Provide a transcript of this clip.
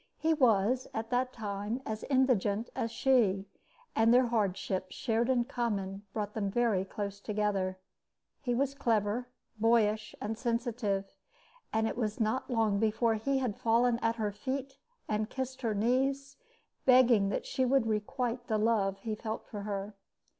He was at that time as indigent as she, and their hardships, shared in common, brought them very close together. He was clever, boyish, and sensitive, and it was not long before he had fallen at her feet and kissed her knees, begging that she would requite the love he felt for her.